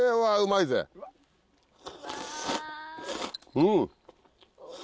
うん！